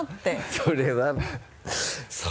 それは